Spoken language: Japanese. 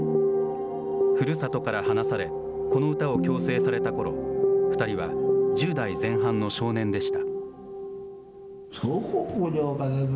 ふるさとから離され、この歌を強制されたころ、２人は１０代前半の少年でした。